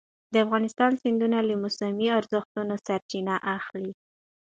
د افغانستان سیندونه له موسمي اورښتونو سرچینه اخلي.